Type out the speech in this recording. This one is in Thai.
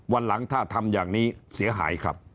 วันหลังถ้าทำอย่างนี้เสียหายครับ